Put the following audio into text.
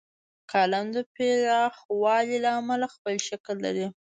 کالم د پراخوالي له امله خپل شکل لري.